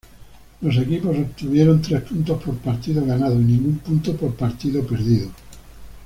Los equipos obtuvieron tres puntos por partido ganado y ningún punto por partido perdido.